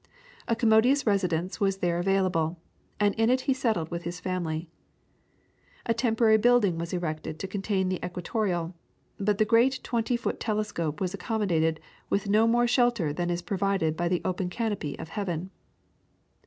A commodious residence was there available, and in it he settled with his family. A temporary building was erected to contain the equatorial, but the great twenty foot telescope was accommodated with no more shelter than is provided by the open canopy of heaven.